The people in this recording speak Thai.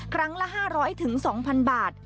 ครั้งละ๕๐๐๒๐๐บาท